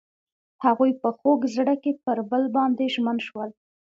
هغوی په خوږ زړه کې پر بل باندې ژمن شول.